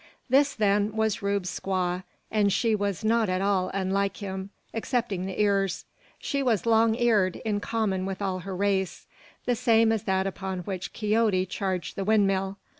This, then, was Rube's squaw, and she was not at all unlike him, excepting the ears. She was long eared, in common with all her race: the same as that upon which Quixote charged the windmill.